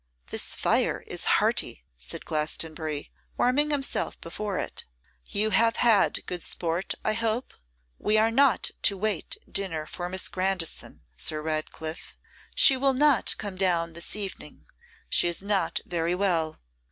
'This fire is hearty,' said Glastonbury, warming himself before it: 'you have had good sport, I hope? We are not to wait dinner for Miss Grandison, Sir Ratcliffe. She will not come down this evening; she is not very well.